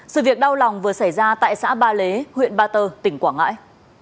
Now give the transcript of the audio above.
sự việc đau lòng vừa xảy ra tại xã ba lế huyện ba tơ tỉnh quảng ngãi